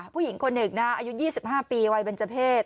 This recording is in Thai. ผู้หญิงคนหนึ่งนะอายุ๒๕ปีวัยเบนเจอร์เพศ